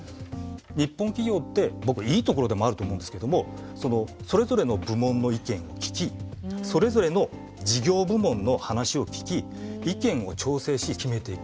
日本企業って僕いいところでもあると思うんですけどもそれぞれの部門の意見を聞きそれぞれの事業部門の話を聞き意見を調整し決めていく。